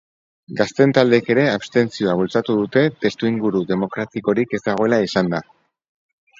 Gazteen taldeek ere abstentzioa bultzatu dute, testuinguru demokratikorik ez dagoela esanda.